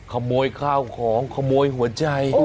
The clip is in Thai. ขโมยข้าวของขโมยหัวใจ